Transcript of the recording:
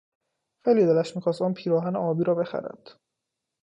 خیلی دلش میخواست آن پیراهن آبی را بخرد.